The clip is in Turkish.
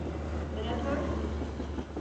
Senatör!